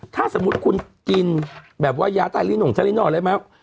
ถ้าสมมุติคุณกินแบบว่ายาใต้หรี่หนุ่มใต้หรี่นอกได้ไหม